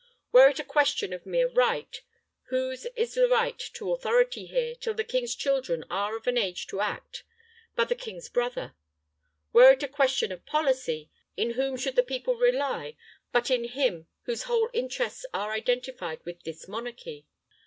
Were it a question of mere right whose is the right to authority here, till the king's children are of an age to act, but the king's brother? Were it a question of policy in whom should the people rely but in him whose whole interests are identified with this monarchy?